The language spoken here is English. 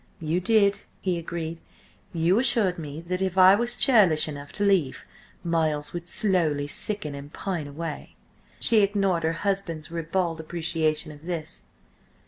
"You did," he agreed. "You assured me that if I was churlish enough to leave, Miles would slowly sicken and pine away!" She ignored her husband's ribald appreciation of this.